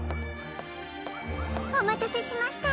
おまたせしました。